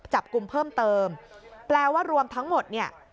จับกลุ่มเพิ่มเติมแปลว่ารวมทั้งหมดเนี่ย